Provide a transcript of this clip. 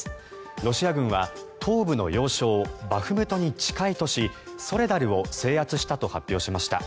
ロシア軍は東部の要衝バフムトに近い都市ソレダルを制圧したと発表しました。